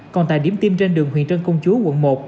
còn tại điểm tiêm trên đường huyền trân công chúa quận một